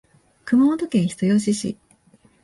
熊本県人吉市